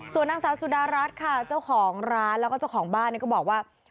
ส่วนนางสาวสุดารัฐค่ะเจ้าของร้านแล้วก็เจ้าของบ้านก็บอกว่า